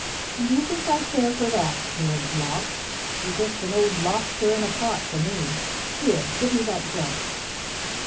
"And do you think I care for that?" sneered Bloff. "You're just an old lobster in a pot to me. Here, give me that jug!"